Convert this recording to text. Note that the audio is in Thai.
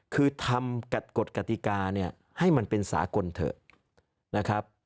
คือทำกฎกติกาเนี่ยให้มันเป็นสากลเถอะนะครับ